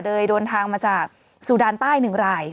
โดยเดินทางมาจากซูดานใต้๑ราย